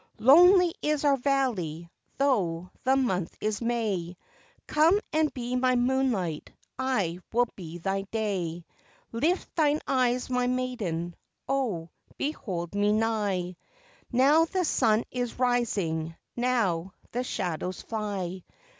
"Lonely is our valley, though the month is May, Come and be my moonlight, I will be thy day. Lift thine eyes, my maiden, oh, behold me nigh; Now the sun is rising, now the shadows fly.